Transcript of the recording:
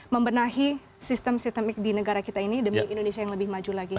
membenahi sistem sistemik di negara kita ini demi indonesia yang lebih maju lagi